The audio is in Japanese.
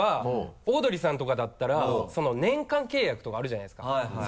オードリーさんとかだったら年間契約とかあるじゃないですかはいはい。